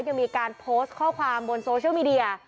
ยังมีการโพสต์ข้อความบนโซเชียลมีเดีย